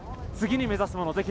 次に目指すもの